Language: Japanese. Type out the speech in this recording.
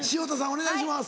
お願いします。